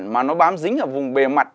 mà nó bám dính ở vùng bề mặt